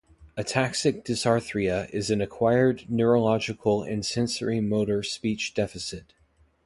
Ataxic dysarthria is an acquired neurological and sensorimotor speech deficit.